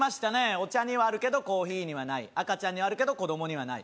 お茶にはあるけどコーヒーにはない赤ちゃんにはあるけど、子供にはない。